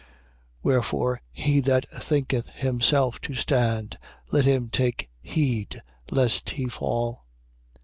Wherefore, he that thinketh himself to stand, let him take heed lest he fall.